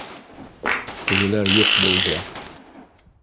— Тегеләр юҡ булды